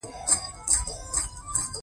ښه ده، غوښتنلیک درسره ثبت کړه.